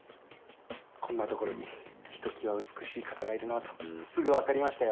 こんなところにひときわ美しい方がいるなとすぐわかりましたよ。